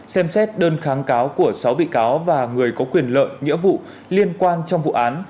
xem xét đơn kháng cáo của sáu bị cáo và người có quyền lợi nghĩa vụ liên quan trong vụ án